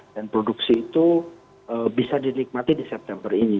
dan produksi itu bisa dinikmati di september ini